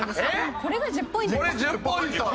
これ１０ポイント。